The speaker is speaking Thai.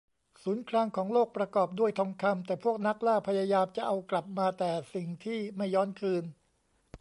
ศูนย์กลางของโลกประกอบด้วยทองคำ แต่พวกนักล่าพยายามจะเอากลับมาแต่สิ่งที่ไม่ย้อนคืน